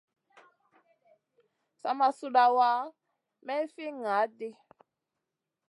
Sa ma suɗawa may fi ŋaʼaɗ ɗi.